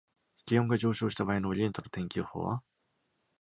気温が上昇した場合のオリエンタの天気予報は？